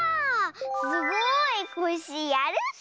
すごいコッシーやるッス。